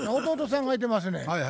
弟さんがいてますねん。